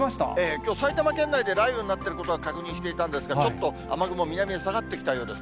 きょう、埼玉県内で雷雨になってることは確認していたんですが、ちょっと雨雲、南に下がってきたようです。